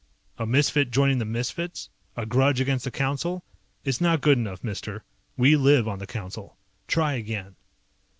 "A misfit joining the misfits? A grudge against the Council? It's not good enough, mister, we live on the Council. Try again."